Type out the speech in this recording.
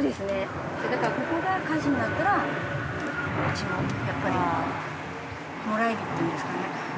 だからここが火事になったらうちもやっぱりもらい火っていうんですかね。